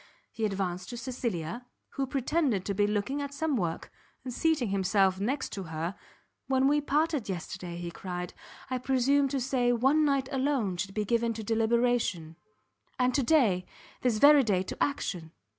He advanced to Cecilia, who pretended to be looking at some work, and seating himself next her, "when we parted yesterday," he cried, "I presumed to say one night alone should be given to deliberation, and to day, this very day to action!